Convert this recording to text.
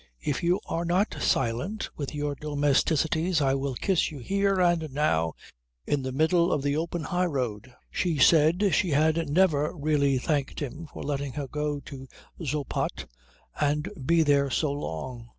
If you are not silent with your domesticities I will kiss you here and now in the middle of the open highroad." She said she had never really thanked him for letting her go to Zoppot and be there so long.